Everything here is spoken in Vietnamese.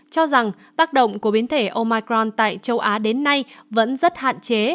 cho rằng tác động của biến thể omicron tại châu á đến nay vẫn rất hạn chế